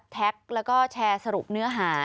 แท็กแล้วก็แชร์สรุปเนื้อหา